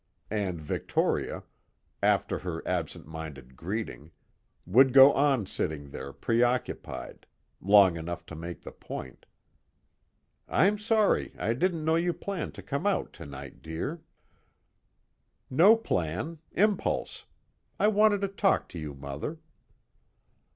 And Victoria, after her absent minded greeting, would go on sitting there preoccupied, long enough to make the point. "I'm sorry I didn't know you planned to come out tonight, dear." "No plan impulse. I wanted to talk to you, Mother."